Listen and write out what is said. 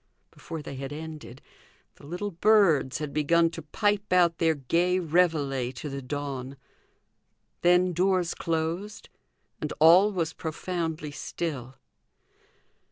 Before they had ended, the little birds had begun to pipe out their gay reveillee to the dawn. Then doors closed, and all was profoundly still.